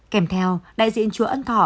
kèm theo đại diện chúa ân thọ